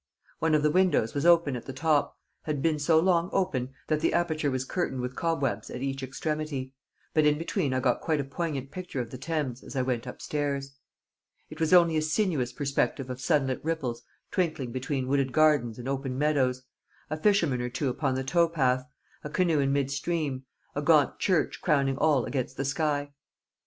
One of the windows was open at the top, had been so long open that the aperture was curtained with cobwebs at each extremity, but in between I got quite a poignant picture of the Thames as I went upstairs. It was only a sinuous perspective of sunlit ripples twinkling between wooded gardens and open meadows, a fisherman or two upon the tow path, a canoe in mid stream, a gaunt church crowning all against the sky.